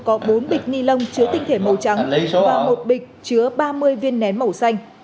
có bốn bịch nilon chứa tinh thể màu trắng và một bịch chứa ba mươi viên nén màu xanh